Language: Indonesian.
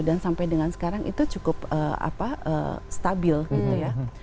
dan sampai dengan sekarang itu cukup stabil gitu ya